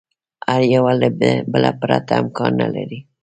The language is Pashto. هر یوه له بله پرته امکان نه لري.